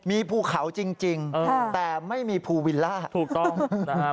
มีภูเขาจริงแต่ไม่มีภูวิลล่าถูกต้องนะครับ